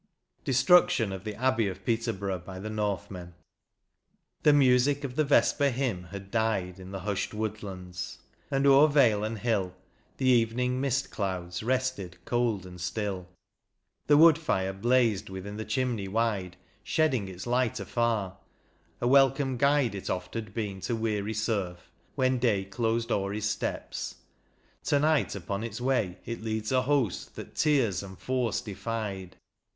61 XXV. DESTRUCTION OF THE ABBEY OF PETERBOROUGH BY THE NORTHMEN. The music of the vesper hymn had died In the hushed woodlands ; and o'er vale and hill The evening mist clouds rested cold and still ; The wood fire blazed within the chimney wide, Shedding its light afar ; a welcome guide It oft had been to weary serf, when day Closed o'er his steps ; to night upon its way It leads a host that tears and force defied.